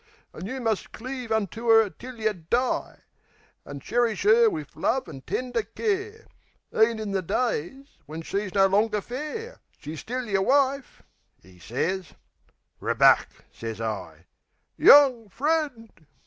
An' you must cleave unto 'er till yeh die, An' cherish 'er wiv love an' tender care. E'n in the days when she's no longer fair She's still yer wife," 'e sez. "Ribuck," sez I. "YOUNG FRIEND!"